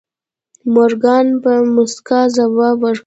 مورګان په موسکا ځواب ورکړ.